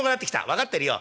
「分かってるよ。